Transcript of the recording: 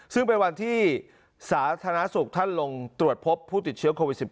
ซึ่งเป็นวันที่สาธารณสุขท่านลงตรวจพบผู้ติดเชื้อโควิด๑๙